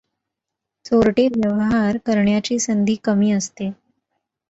चोरटे व्यवहार करण्याची संधी कमी असते.